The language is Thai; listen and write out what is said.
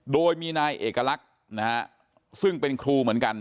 โดยมีนายเอกลักษณ์นะฮะซึ่งเป็นครูเหมือนกัน